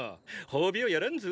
褒美をやらんぞ！